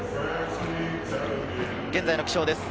現在の気象です。